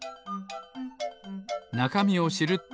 なかみを知るって。